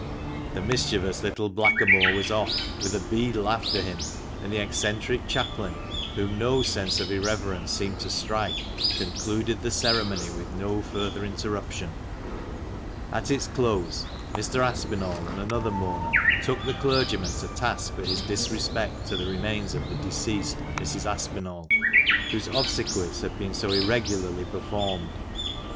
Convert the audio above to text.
The mischievous little blackamoor was off, with a beadle after him ; and the eccentric chaplain, whom no sense of irreverence seemed to strike, concluded the ceremony with no further interruption. At its close, Mr. Aspinall and another mourner took the clergyman to task for his disrespect to the remains of the deceased Mrs. Aspinall, whose obsequies had been so irregularly performed.